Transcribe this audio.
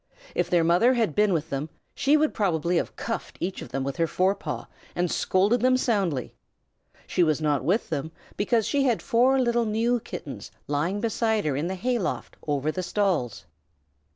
If their mother had been with them, she would probably have cuffed each with her fore paw and scolded them soundly. She was not with them because she had four little new Kittens lying beside her in the hay loft over the stalls.